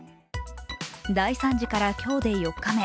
大惨事から今日で４日目。